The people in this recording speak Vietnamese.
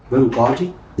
vâng có chứ